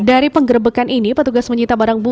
dari penggerbekan ini petugas mencita barang bukaan